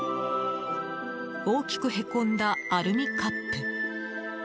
大きくへこんだアルミカップ。